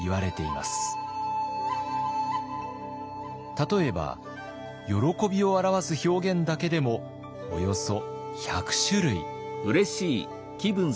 例えば「喜び」を表す表現だけでもおよそ１００種類。